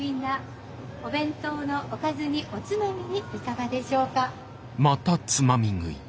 お弁当のおかずにおつまみにいかがでしょうか。